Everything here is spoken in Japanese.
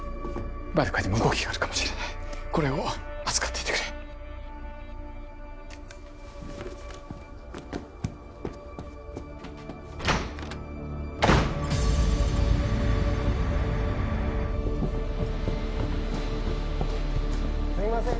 バルカにも動きがあるかもしれないこれを預かっていてくれすいません